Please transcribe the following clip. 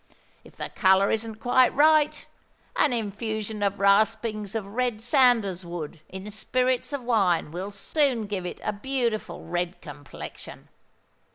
If the colour isn't quite right, an infusion of raspings of red sandars wood in spirits of wine will soon give it a beautiful red complexion.